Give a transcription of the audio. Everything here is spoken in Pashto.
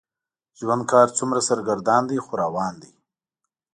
ژوند که هر څومره سرګردان دی خو روان دی.